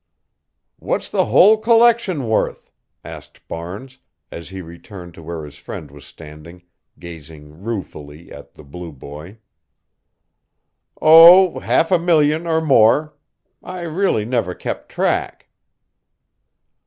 "What's the whole collection worth?" asked Barnes, as he returned to where his friend was standing, gazing ruefully at "The Blue Boy." "Oh, half a million or more. I really never kept track."